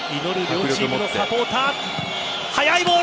両チームのサポーター。